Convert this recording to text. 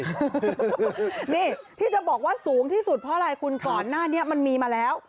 นี่ที่จะบอกว่าสูงที่สุดเพราะอะไรคุณก่อนหน้านี้มันมีมาแล้ว